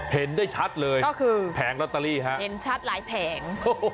เห็นได้ชัดเลยก็คือแผงลอตเตอรี่ฮะเห็นชัดหลายแผง